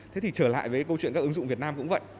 thế thì trở lại với câu chuyện các ứng dụng việt nam cũng vậy